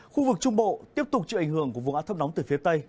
khu vực trung bộ tiếp tục chịu ảnh hưởng của vùng áp thấp nóng từ phía tây